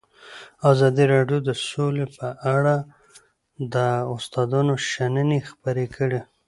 ازادي راډیو د سوله په اړه د استادانو شننې خپرې کړي.